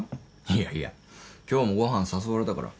いやいや今日もご飯誘われたから。